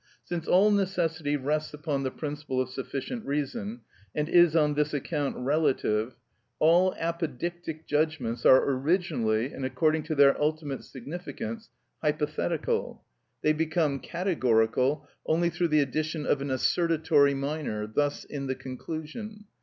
Since all necessity rests upon the principle of sufficient reason, and is on this account relative, all apodictic judgments are originally, and according to their ultimate significance, hypothetical. They become categorical only through the addition of an assertatory minor, thus in the conclusion.